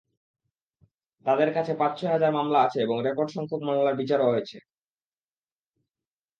তাদের কাছে পাঁচ-ছয় হাজার মামলা আছে এবং রেকর্ড–সংখ্যক মামলার বিচারও হয়েছে।